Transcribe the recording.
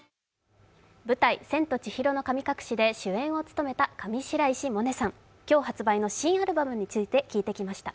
舞台「千と千尋の神隠し」で主演を務めた上白石萌音さん、今日発売の新アルバムについて聞いてきました。